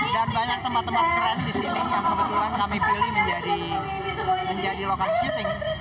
dan banyak tempat tempat keren di sini yang kebetulan kami pilih menjadi lokasi syuting